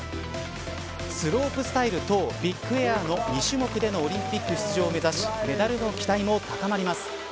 スロープスタイルとビッグエアの２種目でのオリンピック出場を目指しメダルの期待も高まります。